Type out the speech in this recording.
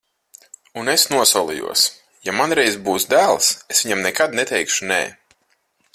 Un es nosolījos: ja man reiz būs dēls, es viņam nekad neteikšu nē.